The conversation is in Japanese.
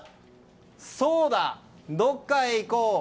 そうだ、どっかへ行こう。